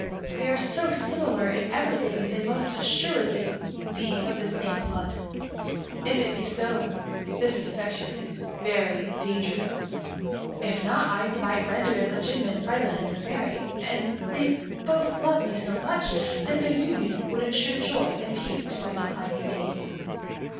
They are so similar in everything, that they must assuredly be of the same blood. If it be so, this affection is very dangerous; if not, I might render it legitimate by letting them marry; and they both love me so much, that their union would ensure joy and peace to my declining days."